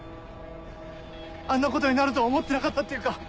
あんなことになるとは思ってなかったっていうか。